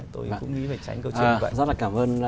tôi cũng nghĩ phải tránh câu chuyện như vậy